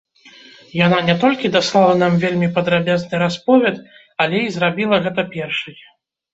Яна не толькі даслала нам вельмі падрабязны расповед, але і зрабіла гэта першай.